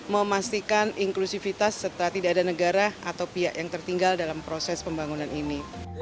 memastikan inklusivitas setelah tidak ada negara atau pihak yang tertinggal dalam proses pembangunan ini